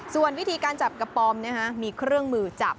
ส่วนวิธีการจับกระป๋อมมีเครื่องมือจับ